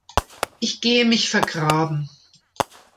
Ich gehe mich vergraben.